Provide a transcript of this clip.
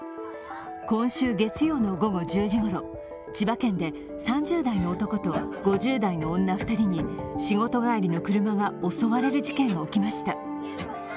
今週月曜の午後１０時ごろ千葉県で３０代の男と５０代の女２人に仕事帰りの車が襲われる事件が起きました。